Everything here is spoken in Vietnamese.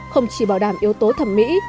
không chỉ bảo đảm yếu tố thẩm mỹ